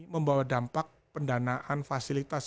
membawa dampak pendanaan fasilitas